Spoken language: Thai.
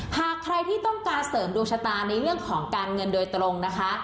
หากใครที่ต้องการเสริมดวงชะตาในเรื่องของการเงินโดยตรงนะคะ